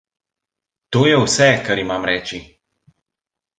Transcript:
To je vse, kar imam reči.